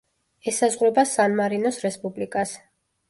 ესაზღვრება სან-მარინოს რესპუბლიკას.